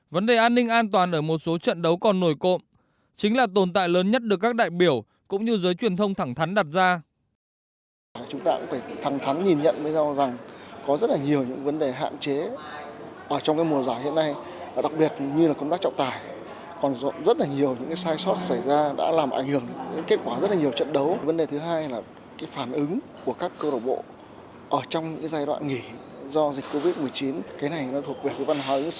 vấn đề an ninh an toàn ở một số trận đấu còn nổi cộm chính là tồn tại lớn nhất được các đại biểu cũng như giới truyền thông thẳng thắn đặt ra